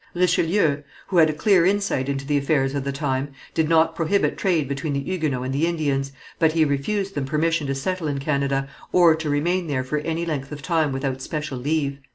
Richelieu, who had a clear insight into the affairs of the time, did not prohibit trade between the Huguenots and the Indians, but he refused them permission to settle in Canada, or to remain there for any length of time without special leave.